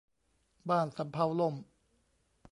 บ้านสำเภาล่ม